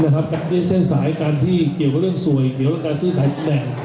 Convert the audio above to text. การใช้สายการที่เกี่ยวกับเรื่องสวยเกี่ยวกับการซื้อขายแผน